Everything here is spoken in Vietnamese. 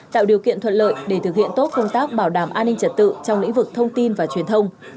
tạo điều kiện thuận lợi để thực hiện tốt công tác bảo đảm an ninh trật tự trong lĩnh vực thông tin và truyền thông